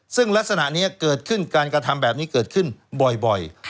ซึ่งลักษณะนี้เกิดขึ้นการกระทำแบบนี้เกิดขึ้นบ่อย